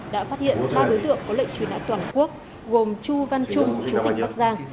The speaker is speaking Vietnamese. đã phát hiện ba đối tượng có lệnh truy nã toàn quốc gồm chu văn trung chú tỉnh bắc giang